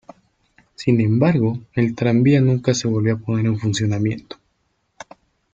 Sin embargo, el tranvía nunca se volvió a poner en funcionamiento.